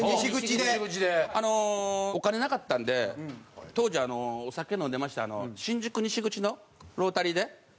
お金なかったんで当時お酒飲んでまして新宿西口のロータリーで。